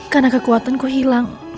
karena kekuatanku hilang